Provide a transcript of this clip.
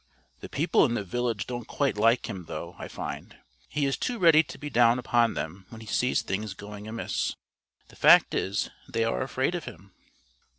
"The people in the village don't quite like him, though, I find. He is too ready to be down upon them when he sees things going amiss. The fact is, they are afraid of him."